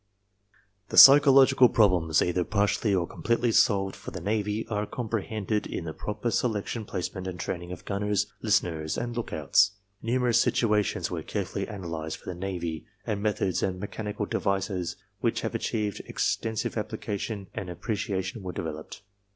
The psychological problems either partially or completely solved for the navy are comprehended in the proper selection, placement and training of gunners, listeners and lookouts. Numerous situations were carefully analyzed for the navy, and methods and mechanical devices which have achieved extensive 9!pplication and appreciation were developed.